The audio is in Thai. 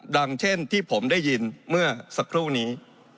ดังเช่นที่ผมได้ยินเมื่อสักครู่นี้